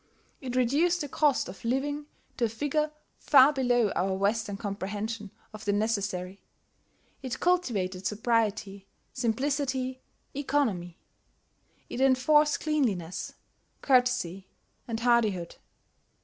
It reduced the cost of living to a figure far below our Western comprehension of the necessary; it cultivated sobriety, simplicity, economy; it enforced cleanliness, courtesy, and hardihood.